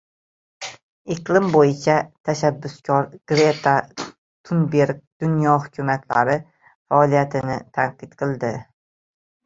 Iqlim bo‘yicha tashabbuskor Greta Tunberg dunyo hukumatlari faoliyatini tanqid qildi